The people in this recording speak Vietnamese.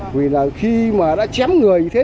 vì là khi mà đã chém người như thế